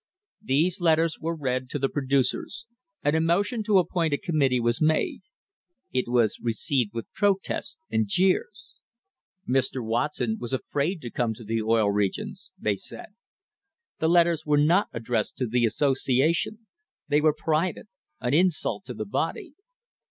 These letters were read to the producers, and a motion to appoint a committee was made. It was received with protests and jeers. Mr. Watson was afraid to come to the Oil Regions, they said. The letters were not addressed to the association, they were private — an insult to the body.